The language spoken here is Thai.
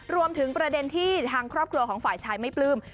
รวมถึงประเด็นที่ทางครอบครัวของฝ่ายชายไม่ปลื้ม